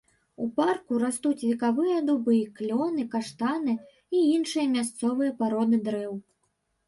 У парку растуць векавыя дубы, клёны, каштаны і іншыя мясцовыя пароды дрэў.